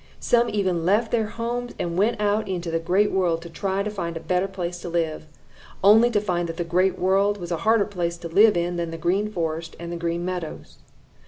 Some even left their homes and went out into the Great World to try to find a better place to live, only to find that the Great World was a harder place to live in than the Green Forest and the Green Meadows.